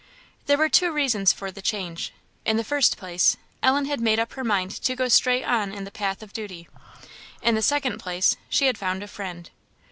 There were two reasons for the change. In the first place, Ellen had made up her mind to go straight on in the path of duty; in the second place, she had found a friend.